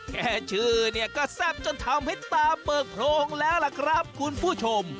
แค่ชื่อเนี่ยก็แซ่บจนทำให้ตาเปิดโพรงแล้วล่ะครับคุณผู้ชม